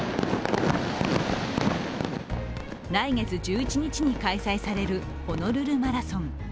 来月１１日に開催されるホノルルマラソン。